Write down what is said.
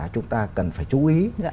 chúng ta cần phải chú ý